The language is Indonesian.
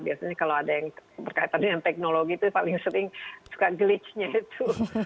biasanya kalau ada yang berkaitan dengan teknologi itu paling sering suka gelitch nya itu